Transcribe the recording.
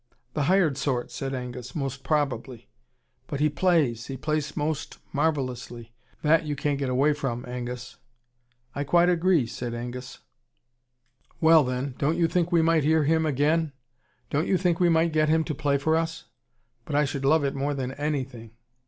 "The hired sort," said Angus, "most probably." "But he PLAYS he plays most marvellously. THAT you can't get away from, Angus." "I quite agree," said Angus. "Well, then? Don't you think we might hear him again? Don't you think we might get him to play for us? But I should love it more than anything."